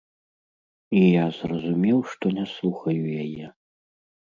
І я зразумеў, што не слухаю яе.